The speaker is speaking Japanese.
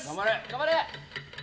頑張れ！